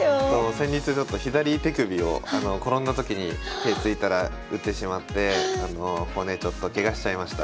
先日ちょっと左手首を転んだ時に手着いたら打ってしまって骨ちょっとケガしちゃいました。